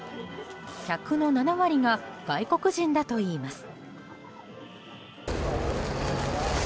客の７割が外国人だといいます。